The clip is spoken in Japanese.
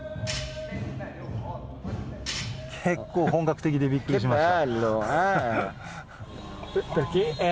結構本格的でびっくりしました。